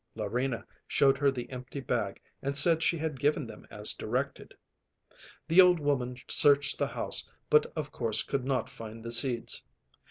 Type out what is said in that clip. Larina showed her the empty bag and said she had given them as directed. The old woman searched the house, but of course could not find the seeds.